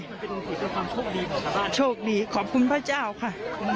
แล้วเป็นจุดในความโชคดีของพระบ้านโชคดีขอบคุณพระเจ้าค่ะ